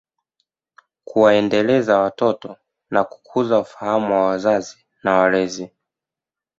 Kuwaendeleza watoto na kukuza ufahamu wa wazazi na walezi